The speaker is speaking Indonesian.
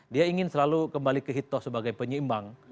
dia ingin selalu kembali ke hitoh sebagai penyeimbang